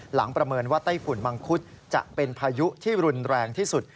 ประเมินว่าไต้ฝุ่นมังคุดจะเป็นพายุที่รุนแรงที่สุด